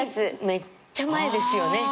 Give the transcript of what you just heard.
めっちゃ前ですよね。